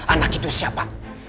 anak itu siapa